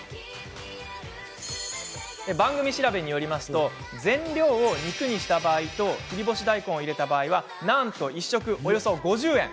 番組調べによりますと全量を肉にした場合と切り干し大根を入れた場合なんと、１食およそ５０円。